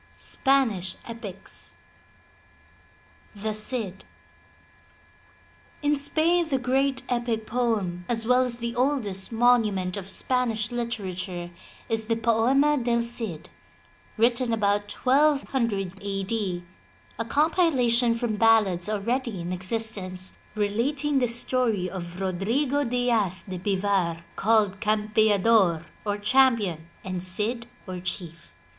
^SPANISH EPICS THE CID In Spain the great epic poem as well as the oldest monument of Spanish literature is the Poema del Cidy written about 1200 A. D., a compilation from ballads already in existence, relating the story of Rodrigo Diaz de Bivar, called Campeador or Champion and Cid or Chief.